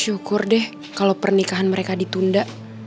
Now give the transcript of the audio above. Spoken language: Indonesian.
syukur deh kalau pernikahan mereka ditunda